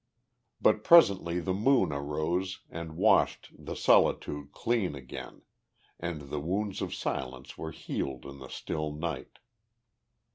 But presently the moon arose and washed the solitude clean again, and the wounds of silence were healed in the still night.